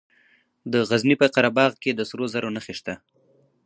د غزني په قره باغ کې د سرو زرو نښې شته.